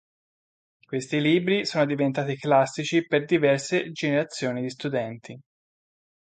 Questi libri "sono diventati classici per diverse generazioni di studenti".